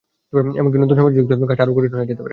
এমনকি নতুন সমস্যা যুক্ত হয়ে কাজটা আরও কঠিন হয়ে যেতে পারে।